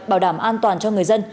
bảo đảm an toàn cho người dân